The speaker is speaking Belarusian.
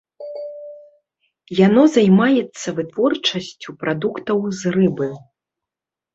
Яно займаецца вытворчасцю прадуктаў з рыбы.